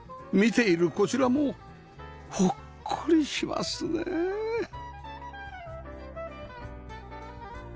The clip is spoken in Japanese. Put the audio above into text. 見ているこちらもほっこりしますねえ